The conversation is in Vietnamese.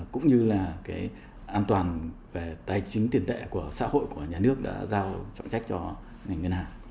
cũng như là cái an toàn về tài chính tiền tệ của xã hội của nhà nước đã giao trọng trách cho ngành ngân hàng